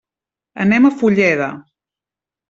Anem a Fulleda.